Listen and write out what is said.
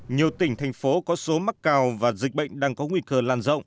nhiều tỉnh thành phố có số mắc cao và dịch bệnh đang có nguy cơ lan rộng